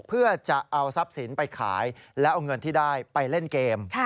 เพื่อจะเอาทรัพย์สินไปขายแล้วเอาเงินที่ได้ไปเล่นเกม